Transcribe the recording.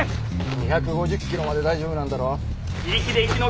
２５０キロまで大丈夫なんだろ？